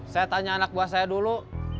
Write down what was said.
saya tanya anak buah saya dulu